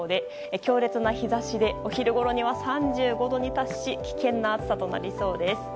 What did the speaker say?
強烈な日差しで昼ごろには３５度に達し危険な暑さとなりそうです。